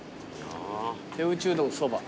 「手打うどんそば」